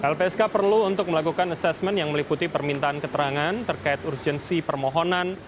lpsk perlu untuk melakukan asesmen yang meliputi permintaan keterangan terkait urgensi permohonan